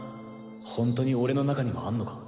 ホントに俺の中にもあんのか？